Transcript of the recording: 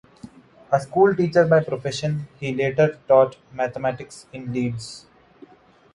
A schoolteacher by profession, he later taught mathematics in Leeds.